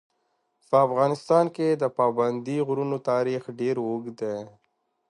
په افغانستان کې د پابندي غرونو تاریخ ډېر اوږد دی.